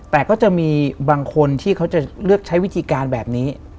แต่ก็จะมีบางคนที่เขาจะเลือกใช้วิธีการแบบนี้